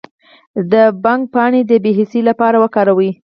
د بنګ پاڼې د بې حسی لپاره وکاروئ